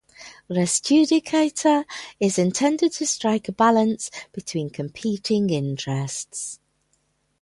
"Res judicata" is intended to strike a balance between competing interests.